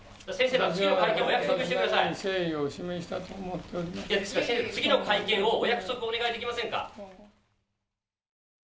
次の会見をお約束をお願いできませんか。